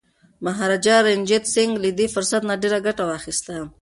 مهاراجا رنجیت سنګ له دې فرصت نه ډیره ګټه واخیسته.